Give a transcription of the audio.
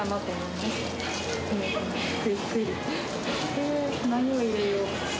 えー、何を入れよう。